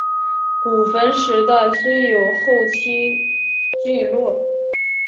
古坟时代虽有后期聚落。